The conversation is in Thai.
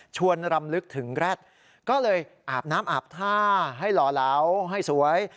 รำลึกถึงแร็ดก็เลยอาบน้ำอาบท่าให้หล่อเหลาให้สวย